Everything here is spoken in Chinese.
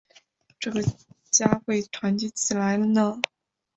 这个家会团结起来呢？